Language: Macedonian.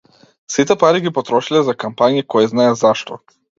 Сите пари ги потрошиле за кампањи, којзнае за што.